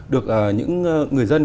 được những người dân